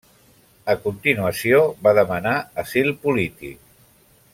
A continuació va demanar asil polític.